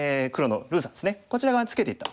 こちら側にツケていった。